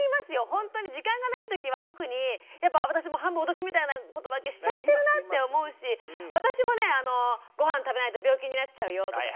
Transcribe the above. ほんとに時間がない時は特にやっぱ私も半分脅しみたいな言葉がけしちゃってるなって思うし私もね「ごはん食べないと病気になっちゃうよ！」とか。